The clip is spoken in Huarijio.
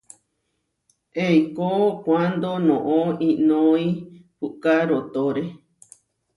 Eikó kuándo noʼó iʼnói puʼká rootóre.